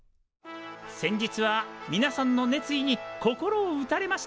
「先日はみなさんの熱意に心を打たれました。